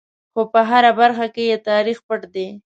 خو په هره برخه کې یې تاریخ پټ دی.